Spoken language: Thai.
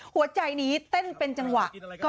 หัวใจนี้เต้นเป็นจังหวะ